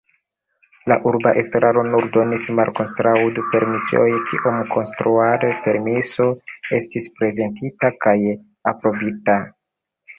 La urba estraro nur donis malkonstruad-permison kiam konstruad-permiso estis prezentita kaj aprobita.